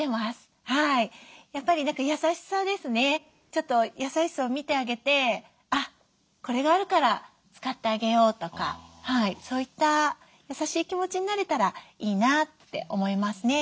ちょっと野菜室を見てあげて「あっこれがあるから使ってあげよう」とかそういった優しい気持ちになれたらいいなって思いますね。